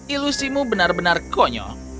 ilusimu benar benar konyol